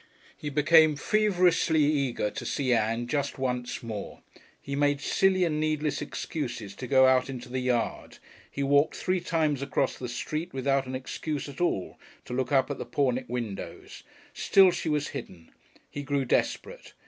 He became feverishly eager to see Ann just once more. He made silly and needless excuses to go out into the yard, he walked three times across the street without any excuse at all, to look up at the Pornick windows. Still she was hidden. He grew desperate.